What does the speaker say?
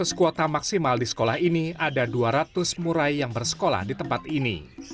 dua ratus kuota maksimal di sekolah ini ada dua ratus murai yang bersekolah di tempat ini